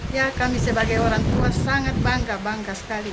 ya kami sebagai orang tua sangat bangga bangga sekali